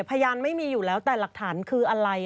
พยานไม่มีอยู่แล้วแต่หลักฐานคืออะไร